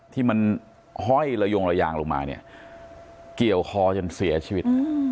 ที่มันห้อยระยงระยางลงมาเนี่ยเกี่ยวคอจนเสียชีวิต